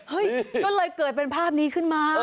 ก็เลยเกิดเป็นภาพนี้ขึ้นมา